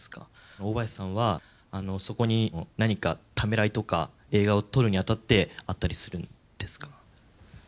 大林さんはそこに何かためらいとか映画を撮るにあたってあったりするんですか？